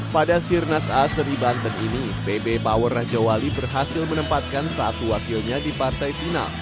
pada sirnas a seri banten ini pb power raja wali berhasil menempatkan satu wakilnya di partai final